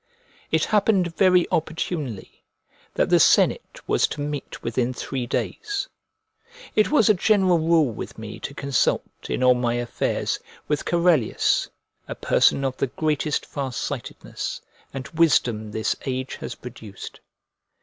It happened very opportunely that the senate was to meet within three days. It was a general rule with me to consult, in all my affairs, with Corellius, a person of the greatest far sightedness and wisdom this age has produced.